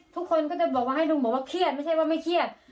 ทุกคนก็จะบอกว่าให้ลุงบอกว่าเครียดไม่ใช่ว่าไม่เครียด